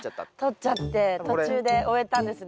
とっちゃって途中で終えたんですね。